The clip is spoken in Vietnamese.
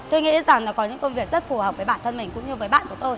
tôi nghĩ rằng là có những công việc rất phù hợp với bản thân mình cũng như với bạn của tôi